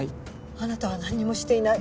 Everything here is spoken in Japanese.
あなたはなんにもしていない。